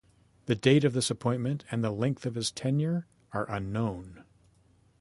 The date of this appointment and the length of his tenure are unknown.